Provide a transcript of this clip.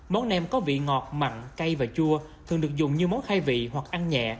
món nem có vị ngọt mặn cay và chua thường được dùng như món khai vị hoặc ăn nhẹ